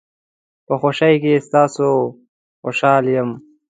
په خوشۍ کې ستاسو خوشحال یم.